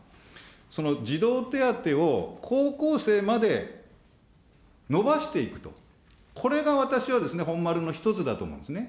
その児童手当を、高校生まで伸ばしていくと、これが私はですね、本丸の一つだと思うんですね。